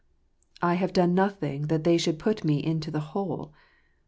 * I have done nothing that they should put me into the ' hole.'